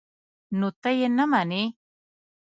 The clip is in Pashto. _نو ته يې نه منې؟